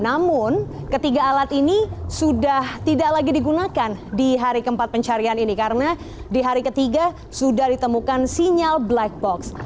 namun ketiga alat ini sudah tidak lagi digunakan di hari keempat pencarian ini karena di hari ketiga sudah ditemukan sinyal black box